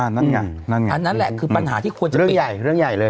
นั่นไงนั่นไงอันนั้นแหละคือปัญหาที่ควรจะเรื่องใหญ่เรื่องใหญ่เลย